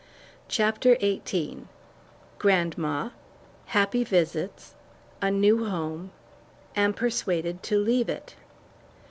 ] CHAPTER XVIII "GRANDMA" HAPPY VISITS A NEW HOME AM PERSUADED TO LEAVE IT.